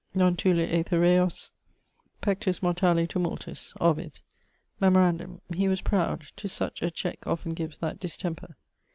Non tulit aethereos pectus mortale tumultus. OVID. Memorandum: he was proud: to such, a check often gives that distemper.